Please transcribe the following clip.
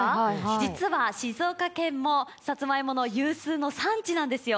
実は静岡県もさつまいもの有数の産地なんですよ。